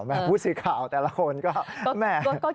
แม่พูดสีขาวแต่ละคนก็แม่